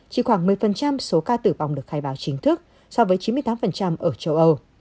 chỉ khoảng một mươi số ca tử vong được khai báo chính thức so với chín mươi tám ở châu âu